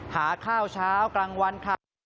หาข้าวเช้ากลางวันค่ะ